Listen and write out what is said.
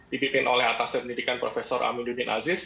dipimpin oleh atas pendidikan prof aminuddin aziz